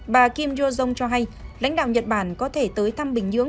bà kim jong cho hay lãnh đạo nhật bản có thể tới thăm bình nhưỡng